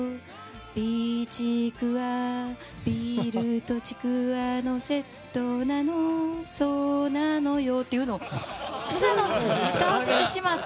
ビーチクはビールとちくわのセットなのそうなのよっていうのを草野さんに歌わせてしまって。